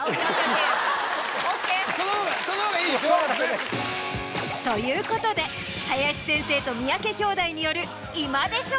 その方がいいでしょ？ということで林先生と三宅兄妹による今でしょ！